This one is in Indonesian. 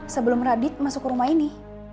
sebelum radit masuk ke rumah ini